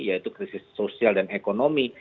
yaitu krisis sosial dan ekonomi